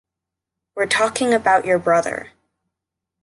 We’re talking about your brother.